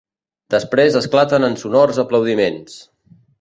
Després esclaten en sonors aplaudiments.